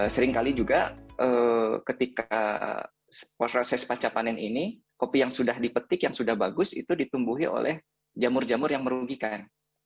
seringkali juga ketika proses pasca panen ini kopi yang sudah dipetik yang sudah bagus itu ditumbuhi oleh jamur jamur yang merugikan